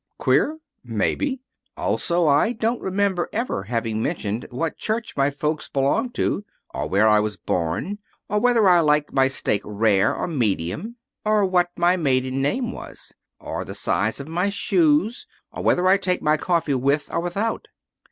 "Queer? Maybe. Also, I don't remember ever having mentioned what church my folks belonged to, or where I was born, or whether I like my steak rare or medium, or what my maiden name was, or the size of my shoes, or whether I take my coffee with or without.